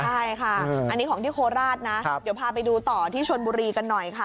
ใช่ค่ะอันนี้ของที่โคราชนะเดี๋ยวพาไปดูต่อที่ชนบุรีกันหน่อยค่ะ